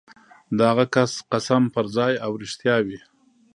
د هغه کس قسم به پرځای او رښتیا وي.